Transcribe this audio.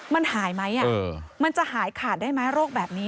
มันหายไหมมันจะหายขาดได้ไหมโรคแบบนี้